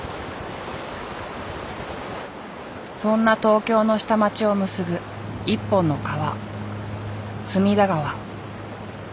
そんな東京の下町を結ぶ一本の川